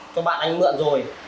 cho bạn anh mượn rồi